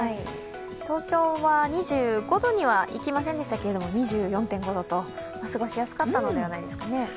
東京は２５度にはいきませんでしたが、２４．５度と過ごしやすかったのではないですかね。